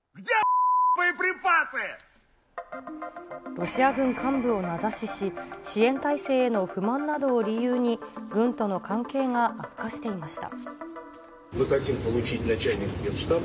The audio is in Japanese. ロシア軍幹部を名指しし、支援体制への不満などを理由に、軍との関係が悪化していました。